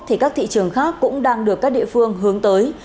thì các thị trường khác cũng đang được các địa phương hướng tới